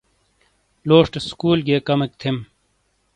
لوسشے سکول گیے کیمک تھیم ۔